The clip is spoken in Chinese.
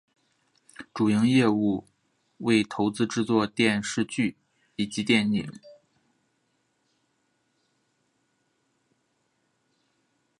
主营业务为投资制作电视剧以及电影。